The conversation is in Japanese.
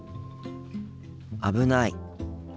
危ない。